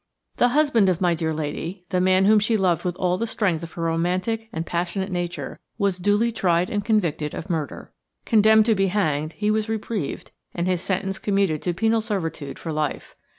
The husband of my dear lady, the man whom she loved with all the strength of her romantic and passionate nature, was duty tried and convicted of murder. Condemned to be hanged, he was reprieved, and his sentence commuted to penal servitude for life.